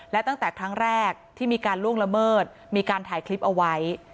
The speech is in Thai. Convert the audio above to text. และตั้งแต่ครั้งแรกที่มีการล่วงละเมิดมีการถ่ายคลิปเอาไว้